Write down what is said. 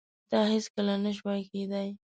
دا هیڅکله نشوای کېدای.